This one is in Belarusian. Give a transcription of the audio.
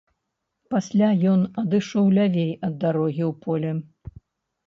Пасля ён адышоўся лявей ад дарогі ў поле.